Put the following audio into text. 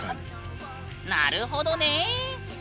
なるほどね。